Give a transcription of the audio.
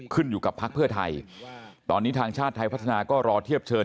อยู่กับพักเพื่อไทยตอนนี้ทางชาติไทยพัฒนาก็รอเทียบเชิญ